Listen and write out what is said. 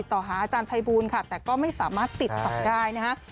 ต่อหาอาจารย์ภัยบูลค่ะแต่ก็ไม่สามารถติดต่อได้นะฮะ